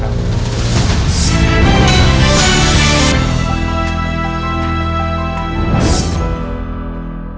เสียงมอเตอร์ไซค์ที่ได้ยินรุ่นใหม่ที่สุด